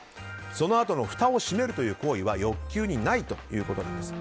そのあとのふたを閉めるという行為は欲求にないということなんです。